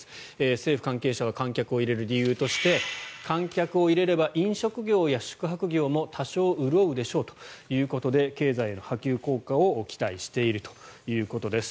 政府関係者は観客を入れる理由として観客を入れれば飲食業や宿泊業も多少潤うでしょうということで経済への波及効果を期待しているということです。